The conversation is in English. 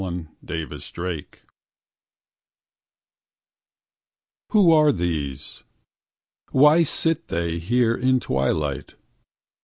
Mental Cases Who are these? Why sit they here in twilight?